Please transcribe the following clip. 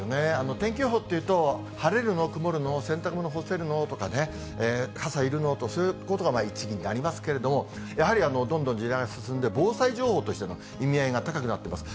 天気予報というと、晴れるの、曇るの、洗濯物干せるの？とかね、傘いるの？とそういうことが第一になりますけれども、やはりどんどん時代が進んで防災情報としての意味合いが高くなっています。